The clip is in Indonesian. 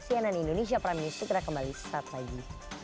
cnn indonesia prime news segera kembali sesaat lagi